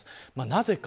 なぜか。